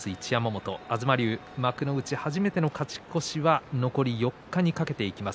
東龍、幕内初めての勝ち越しは残り４日に懸けます。